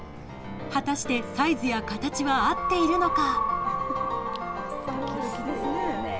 果たしてサイズや形は合っているのか。